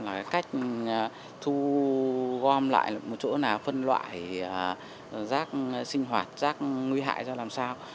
về cách thu gom lại một chỗ nào phân loại rác sinh hoạt rác nguy hại ra làm sao